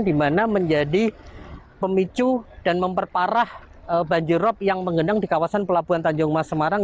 dimana menjadi pemicu dan memperparah banjir rop yang menggenang di kawasan pelabuhan tanjung emas sumarang